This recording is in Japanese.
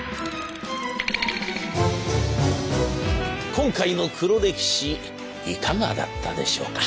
今回の黒歴史いかがだったでしょうか？